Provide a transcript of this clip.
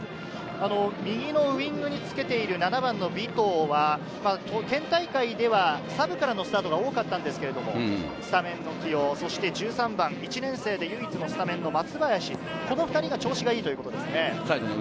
右のウイングにつけている尾藤は、県大会ではサブからのスタートが多かったんですけれど、スタメンの起用、そして１３番１年生で唯一のスタメンの松林、この２人の調子がいいということですね。